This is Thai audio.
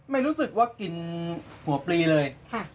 ไม่รู้สึกว่ากินหัวปลีเลย